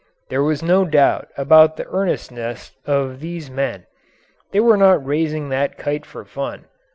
There was no doubt about the earnestness of these men: they were not raising that kite for fun.